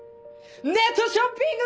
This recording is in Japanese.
ネットショッピング！